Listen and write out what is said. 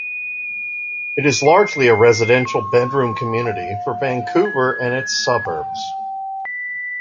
It is largely a residential bedroom community for Vancouver and its suburbs.